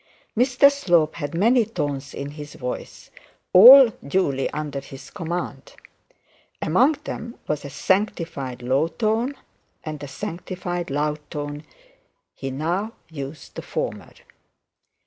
Mr Slope had many tones in his voice, all duly under his command; among them was a sanctified low tone, and a sanctified loud tone; and he now used the former.